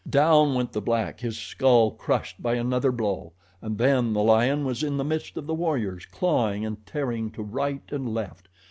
Down went the black, his skull crushed by another blow. And then the lion was in the midst of the warriors, clawing and tearing to right and left.